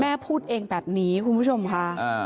แม่พูดเองแบบนี้คุณผู้ชมค่ะ